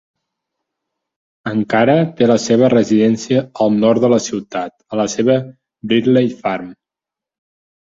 Encara té la seva residència al nord de la ciutat, a seva Brindley Farm.